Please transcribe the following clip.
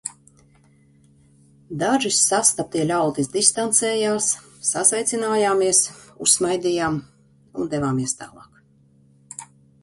Daži sastaptie ļaudis distancējās, sasveicinājāmies, uzsmaidījām un devāmies tālāk.